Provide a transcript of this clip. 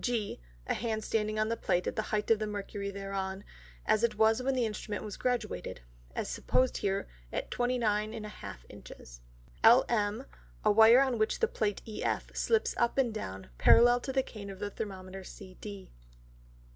G, a Hand standing on the Plate at the height of the Mercury thereon, as it was when the Instrument was graduated, as suppose here at 29½ Inches. LM, a Wire on which the Plate EF, slips up and down, parallel to the Cane of the Thermometer CD.